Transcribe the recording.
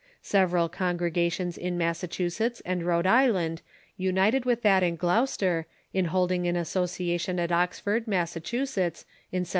Several congregations in Massachusetts and Rhode Island united with that in Gloucester in holding an associa tion at Oxford, Massachusetts, in 1785.